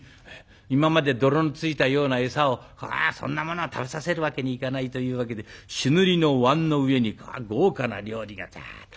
今まで泥のついたような餌をそんなものは食べさせるわけにいかないというわけで朱塗りのわんの上に豪華な料理がざっと。